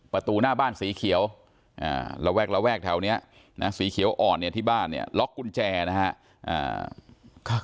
ประตูหน้าบ้านสีเขียวระแวกระแวกแถวนี้นะสีเขียวอ่อนเนี่ยที่บ้านเนี่ยล็อกกุญแจนะครับ